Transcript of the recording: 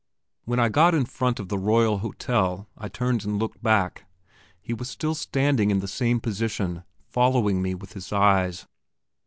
When I got in front of the Royal Hotel I turned and looked back. He was still standing in the same position, following me with his eyes.